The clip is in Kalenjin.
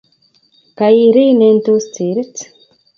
Kairi inee tosterit